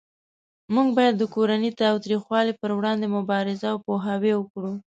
موږ باید د کورنۍ تاوتریخوالی پروړاندې مبارزه او پوهاوی وکړو